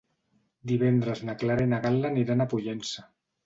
Divendres na Clara i na Gal·la aniran a Pollença.